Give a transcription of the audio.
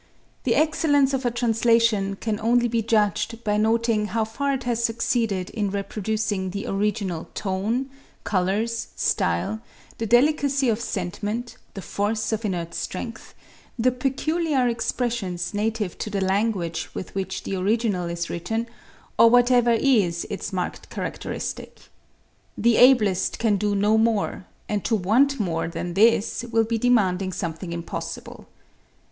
The excellence of a translation can only be judged by noting how far it has succeeded in reproducing the original tone, colors, style, the delicacy of sentiment, the force of inert strength, the peculiar expressions native to the language with which the original is written, or whatever is its marked characteristic. The ablest can do no more, and to want more than this will be demanding something impossible.